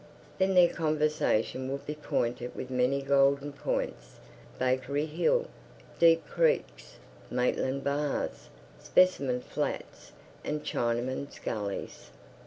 Then their conversation would be pointed with many Golden Points, Bakery Hill, Deep Creeks, Maitland Bars, Specimen Flats, and Chinamen's Gullies.